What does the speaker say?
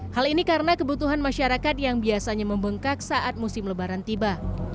hal ini karena kebutuhan masyarakat yang biasanya membengkak saat musim lebaran tiba